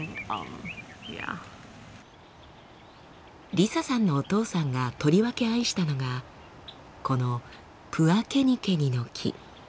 リサさんのお父さんがとりわけ愛したのがこのプアケニケニの木。